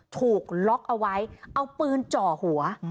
ถูกล็อกเอาไว้เอาปืนจ่อหัว